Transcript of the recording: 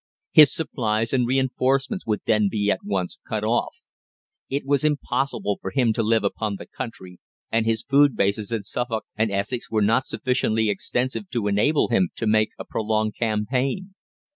His supplies and reinforcements would then be at once cut off. It was impossible for him to live upon the country, and his food bases in Suffolk and Essex were not sufficiently extensive to enable him to make a prolonged campaign.